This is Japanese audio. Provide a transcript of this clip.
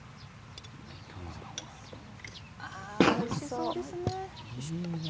おいしそうですね。